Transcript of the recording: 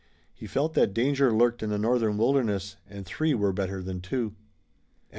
He felt that danger lurked in the northern wilderness, and three were better than two.